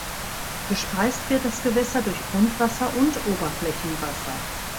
Gespeist wird das Gewässer durch Grundwasser und Oberflächenwasser.